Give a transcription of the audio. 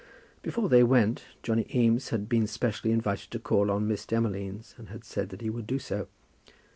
Before they went, Johnny Eames had been specially invited to call on Lady Demolines, and had said that he would do so.